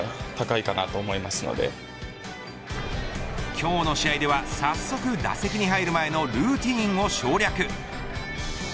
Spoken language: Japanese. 今日の試合では早速、打席に入る前のルーティンを省略。